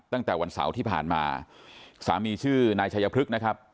ตั้งแต่วันเสาร์ที่ผ่านมาสามีชื่อนายชัยพฤกษ์นะครับ